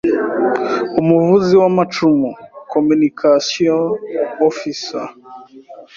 Umuvuzi w’amacumu: Communication Offi cer.